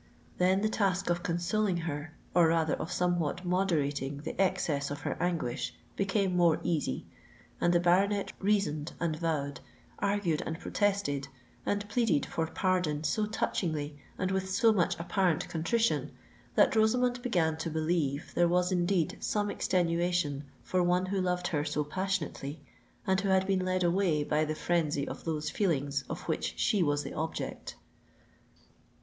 Then the task of consoling her—or rather of somewhat moderating the excess of her anguish, became more easy; and the baronet reasoned and vowed—argued and protested—and pleaded for pardon so touchingly and with so much apparent contrition, that Rosamond began to believe there was indeed some extenuation for one who loved her so passionately, and who had been led away by the frenzy of those feelings of which she was the object.